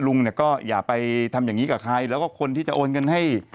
ลุงเนี่ยก็อย่าไปทำอย่างนี้กับใครแล้วก็คนที่จะโอนเงินให้